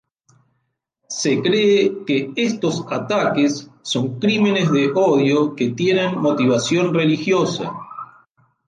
Se cree que estos ataques son crímenes de odio que tienen motivación religiosa.